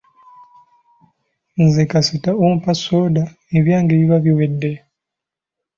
Nze kasita ompa soda ebyange biba biwedde.